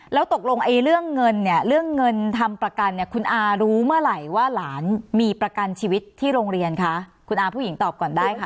แล้วตกลงไอ้เรื่องเงินเนี่ยเรื่องเงินทำประกันเนี่ยคุณอารู้เมื่อไหร่ว่าหลานมีประกันชีวิตที่โรงเรียนคะคุณอาผู้หญิงตอบก่อนได้ค่ะ